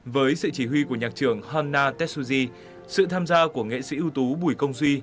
với sự chỉ huy của nhạc trưởng hanna tetsuji sự tham gia của nghệ sĩ ưu tú bùi công duy